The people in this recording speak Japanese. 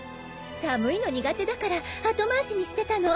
寒いの苦手だから後回しにしてたの。